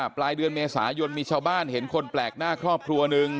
ปลายเดือนเมษายนมีชาวบ้านเห็นคนแปลกหน้าครอบครัวหนึ่ง